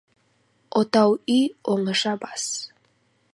Отау үй — оңаша бас.